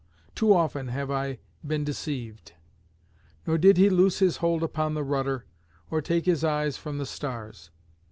Too often have I been deceived." Nor did he loose his hold upon the rudder, or take his eyes from the stars.